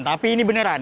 tapi ini beneran